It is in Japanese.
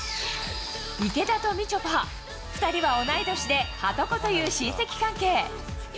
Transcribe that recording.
池田とみちょぱ２人は同い年ではとこという親戚関係。